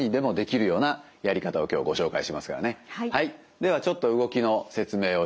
ではちょっと動きの説明をします。